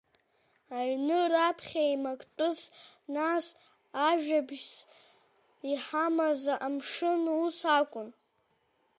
Аҩны раԥхьа еимактәыс, нас ажәабжьс иҳамаз амшын ус акәын.